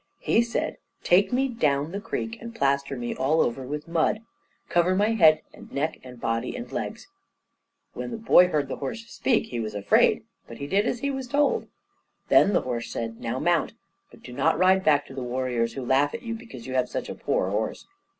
He said, "Take me down the creek, and plaster me all over with mud. Cover my head and neck and body and legs." When the boy heard the horse speak, he was afraid; but he did as he was told. Then the horse said, "Now mount, but do not ride back to the warriors, who laugh at you because you have such a poor horse.